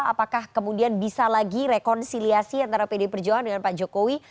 apakah kemudian bisa lagi rekonsiliasi antara pdi perjuangan dengan pak jokowi